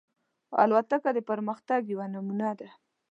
الوتکه د پرمختګ یوه نمونه ده.